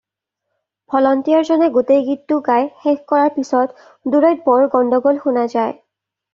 Volunteer জনে গোটেই গীতটো গাই শেষ কৰাৰ পিছত দূৰৈত বৰ গণ্ডগোল শুনা যায়।